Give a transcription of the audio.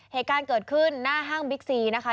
เหตุการณ์เกิดขึ้นหน้าห้างบิ๊กซีนะคะ